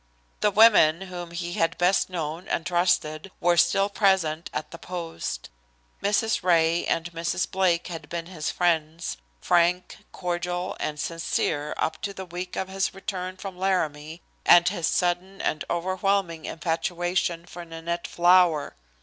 The women whom he had best known and trusted were still present at the post. Mrs. Ray and Mrs. Blake had been his friends, frank, cordial and sincere up to the week of his return from Laramie and his sudden and overwhelming infatuation for Nanette Flower.